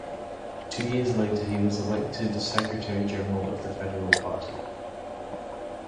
Two years later he was elected secretary general of the federal party.